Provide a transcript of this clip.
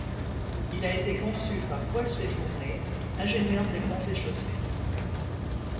Il a été conçu par Paul Séjourné, ingénieur des Ponts et Chaussées.